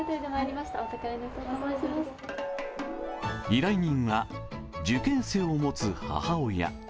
依頼人は、受験生を持つ母親。